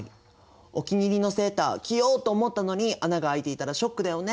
お気に入りのセーター着ようと思ったのに穴が開いていたらショックだよね。